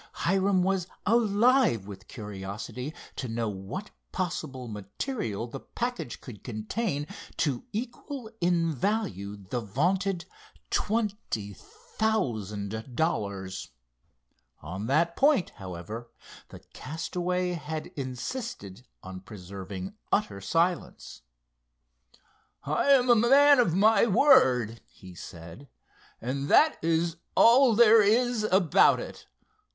Hiram was alive with curiosity to know what possible material the package could contain to equal in value the vaunted twenty thousand dollars. On that point, however, the castaway had insisted on preserving utter silence. "I'm a man of my word," he said, "and that is all there is about it.